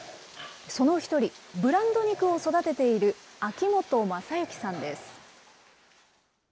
その一人、ブランド肉を育てている秋元雅幸さんです。